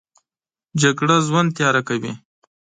جګړه ژوند تیاره کوي